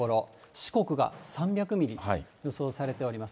四国が３００ミリ予想されております。